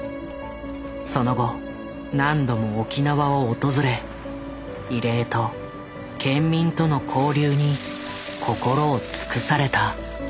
その後何度も沖縄を訪れ慰霊と県民との交流に心を尽くされた。